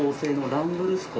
ランブルスコ？